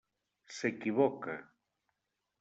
S'equivoca.